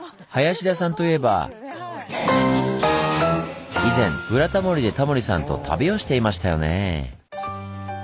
林田さんといえば以前「ブラタモリ」でタモリさんと旅をしていましたよね。